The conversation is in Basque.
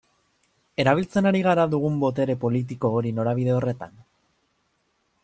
Erabiltzen ari gara dugun botere politiko hori norabide horretan?